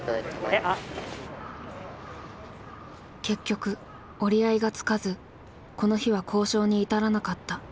結局折り合いがつかずこの日は交渉に至らなかった。